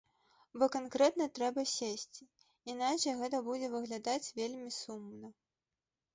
Бо канкрэтна трэба сесці, іначай гэта будзе выглядаць вельмі сумна.